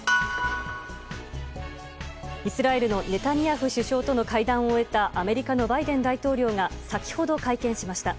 イスラエルのネタニヤフ首相との会談を終えたアメリカのバイデン大統領が先ほど会見しました。